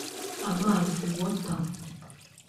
Amazi (water)